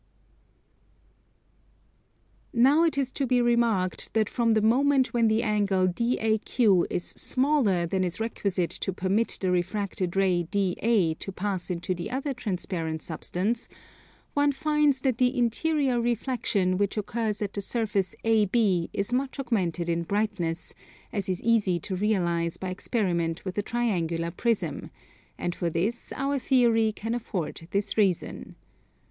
Now it is to be remarked that from the moment when the angle DAQ is smaller than is requisite to permit the refracted ray DA to pass into the other transparent substance, one finds that the interior reflexion which occurs at the surface AB is much augmented in brightness, as is easy to realize by experiment with a triangular prism; and for this our theory can afford this reason.